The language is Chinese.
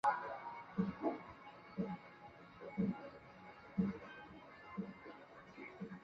张玄靓于和平元年获张祚封为凉武侯。